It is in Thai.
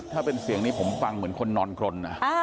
ถ้าเป็นเสียงนี้ผมฟังเหมือนคนนอนกรน